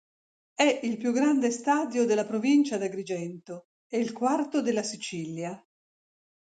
È il più grande stadio della Provincia di Agrigento e il quarto della Sicilia.